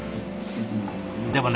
でもね